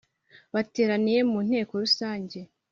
Bateraniye mu nteko rusange